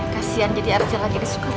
kasian jadi arsila jadi suka rewel